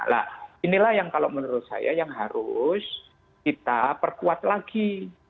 nah inilah yang kalau menurut saya yang harus kita perkuat lagi